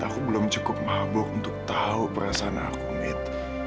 aku belum cukup mabuk untuk tahu perasaan aku gitu